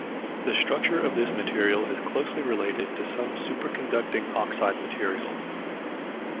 The structure of this material is closely related to some superconducting oxide materials.